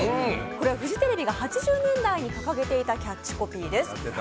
これはフジテレビが８０年代に掲げていたキャッチコピーです。